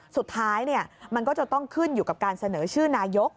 สุดท้ายมันก็จะต้องขึ้นอยู่กับการเสนอชื่อนายก